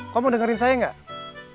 kamu dengerin saya gak